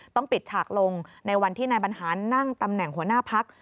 ปิดฉากลงในวันที่นายบรรหารนั่งตำแหน่งหัวหน้าพัก